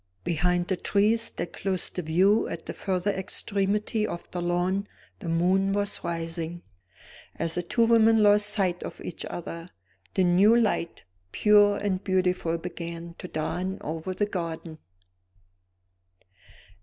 Behind the trees that closed the view at the further extremity of the lawn the moon was rising. As the two women lost sight of each other, the new light, pure and beautiful, began to dawn over the garden.